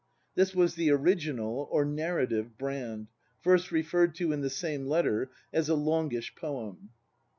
This was the original, or narrative, Brand, first referred to, in the same letter, as "a longish poem."